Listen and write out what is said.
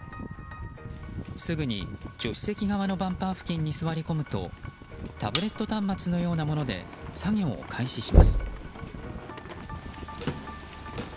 すぐに助手席側のバンパー付近に座り込むとタブレット端末のようなもので作業を開始します。